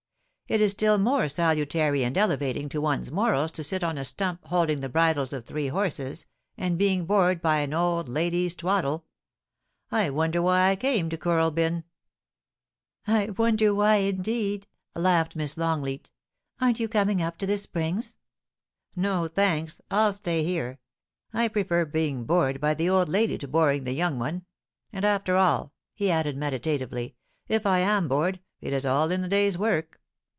It is still more salutary and elevating to one's morals to sit on a stump holding the bridles of three horses and being bored by an old lady's twaddle. I wonder why I came to Kooralbyn ?I wonder why, indeed !' laughed Miss LongleaL 'Aren't you coming up to the Springs ?No, thanks ; I'll stay here. I prefer being bored by the old lady to boring the young one. And after all,' he added, meditatively, * if I am bored, it is all in the day's work.'